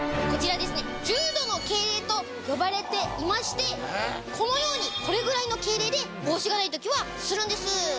こちらですね１０度の敬礼と呼ばれていましてこのようにこれぐらいの敬礼で帽子がない時はするんです。